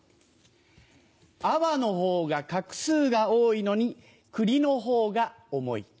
粟のほうが画数が多いのに栗のほうが重い。